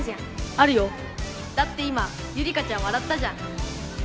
あるよだって今ゆりかちゃん笑ったじゃん